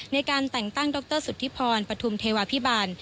ในการแต่งตั้งดรสุธิพรปฐุมเทวาพิบาล